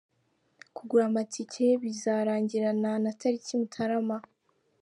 Kugura amatike bizarangirana na tariki Mutarama.